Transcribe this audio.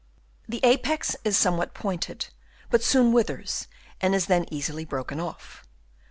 The apex is somewhat pointed, but soon withers and is then easily broken off.